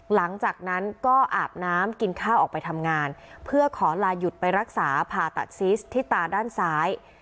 หลังจากนั้นก็อาบน้ำกินข้าวออกไปทำงานเพื่อขอลาหยุดไปรักษาผ่าตัดซีสที่ตาด้านซ้าย